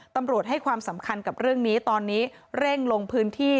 ตำรวจให้ความสำคัญกับเรื่องนี้ตอนนี้เร่งลงพื้นที่